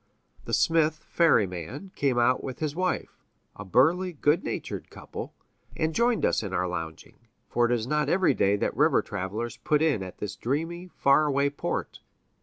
The smith ferryman came out with his wife a burly, good natured couple and joined us in our lounging, for it is not every day that river travelers put in at this dreamy, far away port.